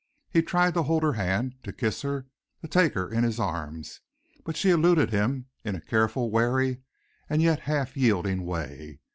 He tried to hold her hand, to kiss her, to take her in his arms, but she eluded him in a careful, wary and yet half yielding way.